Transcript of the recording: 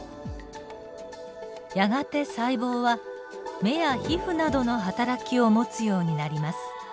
やがて細胞は目や皮膚などのはたらきを持つようになります。